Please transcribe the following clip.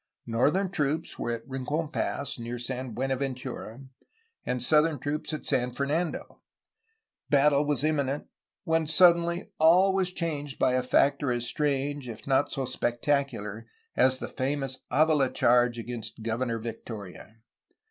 Northern troops were at Rincon Pass, near San Buenaventura, and southern at San Fernando. Battle was imminent, — ^when suddenly all was changed by^ a factor as strange, if not so spectacular, as the famous Avila charge against Governor Victoria.